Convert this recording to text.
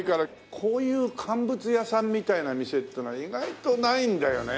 こういう乾物屋さんみたいな店っていうのは意外とないんだよね。